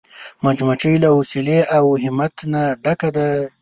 مچمچۍ له حوصلې او همت نه ډکه ده